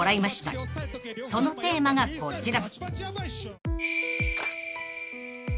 ［そのテーマがこちら］